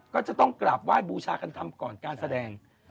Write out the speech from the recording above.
ก็จะต้องกราบไหว้บูชากันทำก่อนการแสดง